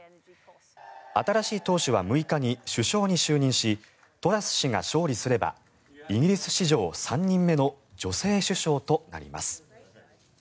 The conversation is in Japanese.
新しい党首は６日に首相に就任しトラス氏が勝利すればイギリス史上３人目の女性首相となります。